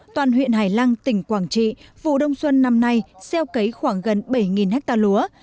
toàn huyện hải lăng tỉnh quảng trị vụ đông xuân năm nay gieo cấy khoảng gần bảy ha lúa